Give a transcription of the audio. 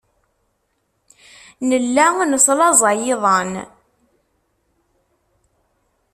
Nella neslaẓay iḍan.